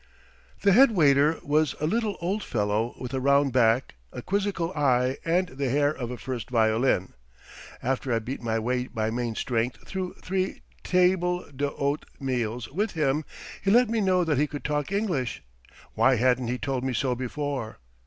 The head waiter was a little old fellow with a round back, a quizzical eye, and the hair of a first violin. After I beat my way by main strength through three table d'hôte meals with him he let me know that he could talk English. Why hadn't he told me so before?